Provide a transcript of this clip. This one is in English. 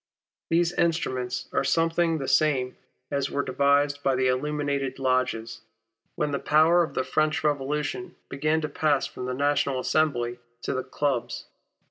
These instruments are something the same as were devised by the illuminated lodges, when the power of the French Revolution began to pass from the National Assembly to the clubs.